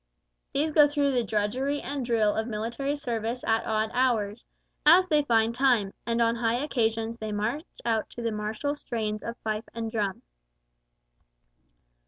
These go through the drudgery and drill of military service at odd hours, as they find time, and on high occasions they march out to the martial strains of fife and drum.